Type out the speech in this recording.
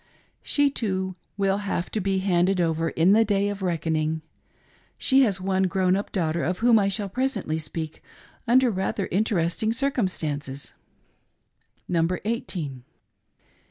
She, too, will have to rbe handed over in the day of reckoning. She has one grown up daughter, of whom I shall presently speak under rather inter esting circumstances. EMILY PARTRIDGE YOUNG. [Number Eighteen.